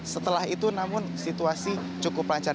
setelah itu namun situasi cukup lancar